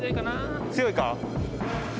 強いか？